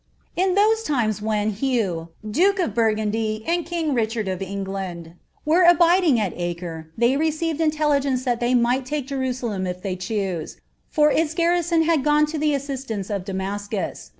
,"■ In those times, wbci. Hugh, duke of Burgundy, and king Rirlian) of I England, were abiding n' Acre, they received inlelligence tliai ihry mista I take Jerusalem if they rhnse, for its garrison had f^one to itu u.'.i ;:"t I of Dumascus.